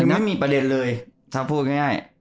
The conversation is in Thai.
ไม่มีประเด็นเลยถ้าพูดง่าย